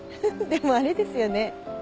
でもあれですよね。